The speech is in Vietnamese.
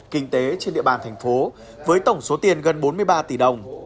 kinh tế trên địa bàn thành phố với tổng số tiền gần bốn mươi ba tỷ đồng